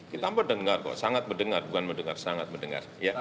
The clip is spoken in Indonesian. kita mendengar kok sangat mendengar bukan mendengar sangat mendengar